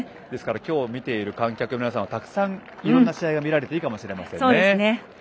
今日、見ている観客の皆さんはいろんな試合が見れていいかもしれないですね。